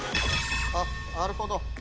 あっなるほど！